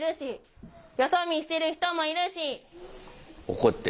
怒ってる。